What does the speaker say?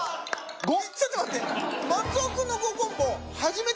ちょっと待って。